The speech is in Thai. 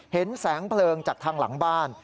เห็นแสงเพลิงจากทางหลังบ้าน